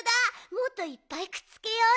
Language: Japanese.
もっといっぱいくっつけようよ。